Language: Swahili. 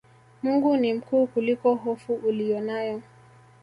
Mungu ni mkuu kuliko hofu uliyonayo